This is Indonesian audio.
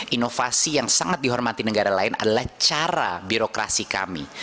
inovasi yang sangat dihormati negara lain adalah cara birokrasi kami